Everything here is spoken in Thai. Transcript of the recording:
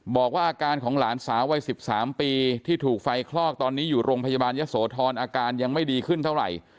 บอกว่าอาการของหลานสาววัย๑๓ปีที่ถูกไฟคลอกตอนนี้อยู่โรงพยาบาลยะโสธรอาการยังไม่ดีขึ้นเท่าไหร่